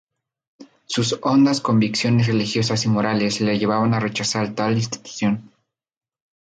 Sus hondas convicciones religiosas y morales le llevaban a rechazar tal institución.